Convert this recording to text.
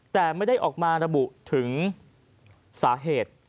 แต่ไม่ได้ออกมาระบุถึงสาเหตุ